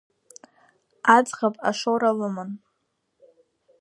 Аӡӷаб ашоура лыман…